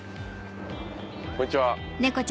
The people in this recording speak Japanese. こんにちは。